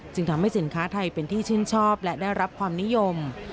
ทำให้สินค้าไทยเป็นที่ชื่นชอบและได้รับความนิยม